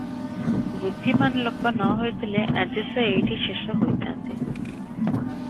ବୁଦ୍ଧିମାନ୍ ଲୋକ ନହୋଇଥିଲେ ଆଜି ସେ ଏଇଠି ଶେଷ ହୋଇଥାନ୍ତେ ।